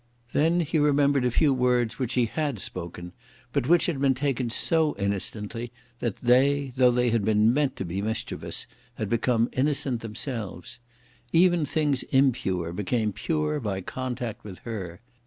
Then he remembered a few words which he had spoken, but which had been taken so innocently, that they, though they had been meant to be mischievous, had become innocent themselves. Even things impure became pure by contact with her.